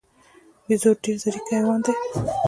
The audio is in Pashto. بیزو ډېر ځیرک حیوان دی.